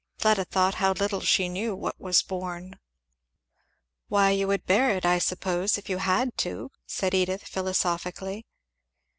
Fleda thought, how little she knew what was borne! "Why you could bear it I suppose if you had to," said Edith philosophically.